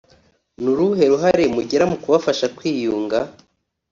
Ni uruhe ruhare mugira mu kubafasha kwiyunga